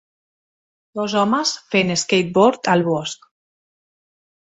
Dos homes fent skateboard al bosc.